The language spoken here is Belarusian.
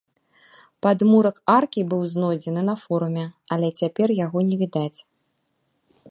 Падмурак аркі быў знойдзены на форуме, але цяпер яго не відаць.